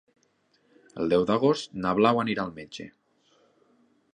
El deu d'agost na Blau anirà al metge.